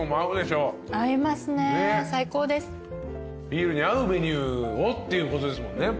ビールに合うメニューをっていうことですもんね。